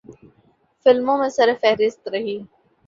فلموں میں سرِ فہرست رہی۔